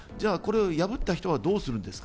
破った人どうするんですか？